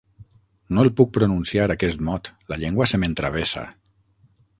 No el puc pronunciar, aquest mot: la llengua se m'entravessa.